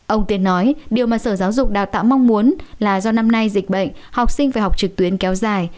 ông tiên nói điều mà sở giáo dục đào tạo mong muốn là do năm nay dịch bệnh học sinh phải học trực tuyến kéo dài